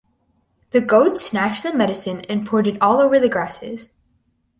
The goat snatched the medicine and poured it all over the grasses.